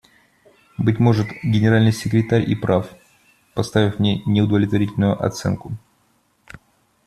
Быть может, Генеральный секретарь и прав, поставив мне неудовлетворительную оценку.